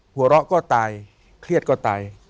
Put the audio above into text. หัวเราะก็ตายเครียดก็ตาย